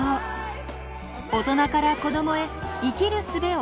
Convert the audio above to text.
大人から子どもへ生きるすべを伝えてゆく。